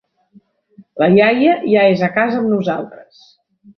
La iaia ja és a casa amb nosaltres.